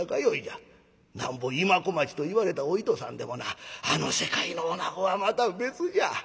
なんぼ今小町といわれたお糸さんでもなあの世界の女子はまた別じゃ。